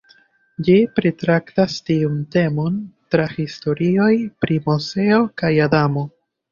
Ĝi pritraktas tiun temon tra historioj pri Moseo kaj Adamo.